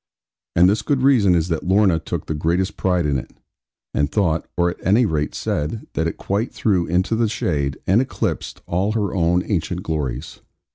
And this good reason is that Lorna took the greatest pride in it, and thought (or at any rate said) that it quite threw into the shade, and eclipsed, all her own ancient glories.